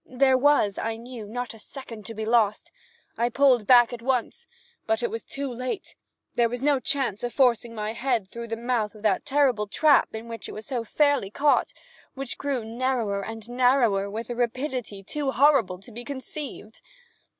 There was, I knew, not a second to be lost. I pulled back at once—but it was too late. There was no chance of forcing my head through the mouth of that terrible trap in which it was so fairly caught, and which grew narrower and narrower with a rapidity too horrible to be conceived.